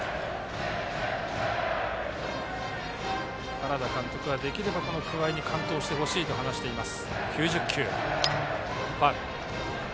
原田監督はできれば桑江に完投してほしいと話しています。